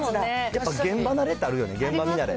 やっぱ現場の慣れってあるよね。